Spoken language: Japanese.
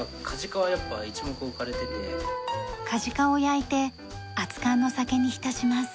カジカを焼いて熱燗の酒に浸します。